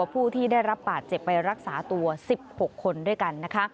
ผู้ที่ได้รับบาดเจ็บไปรักษาตัว๑๖คนด้วยกันนะคะ